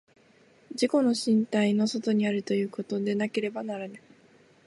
自己の身体の外にあるということでなければならぬ。